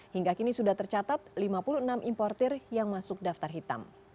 hingga kini sudah tercatat lima puluh enam importer yang masuk daftar hitam